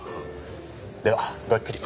ではごゆっくり。